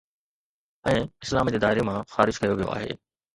۽ اسلام جي دائري مان خارج ڪيو ويو آهي